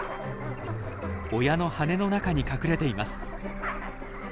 親の羽の中に隠れています。